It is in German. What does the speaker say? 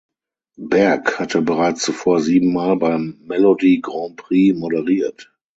Bergh hatte bereits zuvor sieben Mal beim Melodi Grand Prix moderiert.